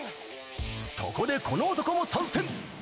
そこでこの男も参戦。